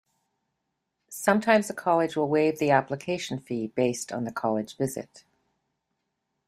Sometimes a college will waive the application fee based on the college visit.